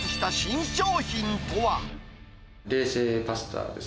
冷製パスタです。